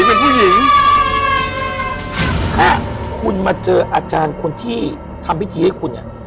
สิ่งที่ผู้หญิงอ่ะคุณมาเจออาจารย์คนที่ทำพิธีให้คุณอ่ะ